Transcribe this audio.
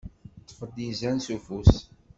Iṭṭef-d izan s ufus!